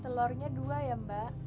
telurnya dua ya mbak